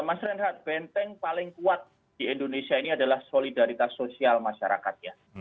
mas reinhardt benteng paling kuat di indonesia ini adalah solidaritas sosial masyarakatnya